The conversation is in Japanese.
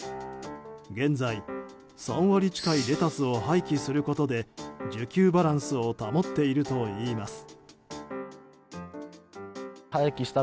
現在、３割近いレタスを廃棄することで需給バランスを保っているといいます。